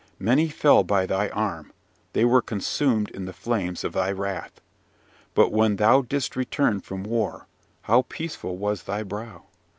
Many fell by thy arm: they were consumed in the flames of thy wrath. But when thou didst return from war, how peaceful was thy brow.